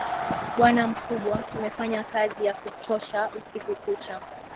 Bwana mkubwa, tumefanya kazi ya kuchosha usiku kucha.